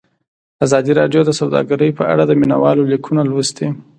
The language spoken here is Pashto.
ازادي راډیو د سوداګري په اړه د مینه والو لیکونه لوستي.